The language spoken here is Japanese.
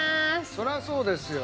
そりゃそうですよ。